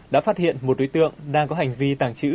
đã phát hiện một đối tượng đang có hành vi tàng trữ